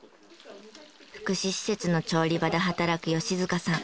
福祉施設の調理場で働く吉塚さん。